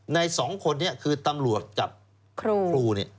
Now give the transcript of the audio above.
ใน๒คนนี้คือตำรวจกับครูเนี่ย